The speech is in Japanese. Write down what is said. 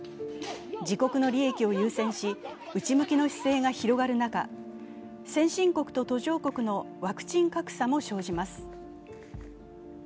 自国の利益を優先し、内向きの姿勢が広がる中先進国と途上国のワクチン格差も生じます。